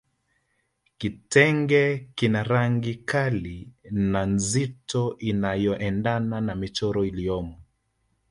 Kitenge kina rangi kali na nzito inayoendana na michoro iliyomo